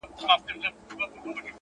پوهه د انسان تلپاتې سرمایه ده